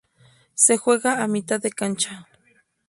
Se juega a mitad de cancha.